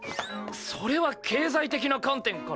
それは経済的な観点から。